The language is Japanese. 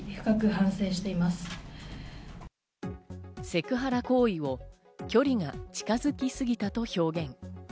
セクハラ行為を距離が近づきすぎたと表現。